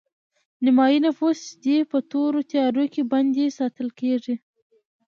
نیمایي نفوس دې په تورو تیارو کې بندي ساتل کیږي